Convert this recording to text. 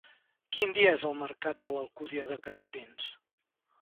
Quin dia és el mercat de l'Alcúdia de Crespins?